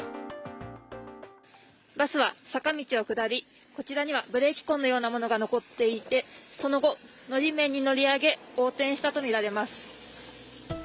バスは坂道を下り、こちらにはブレーキ痕のようなものが残っていてその後、のり面に乗り上げ横転したとみられます。